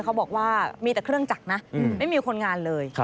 เขาบอกว่ามีแต่เครื่องจักรนะไม่มีคนงานเลย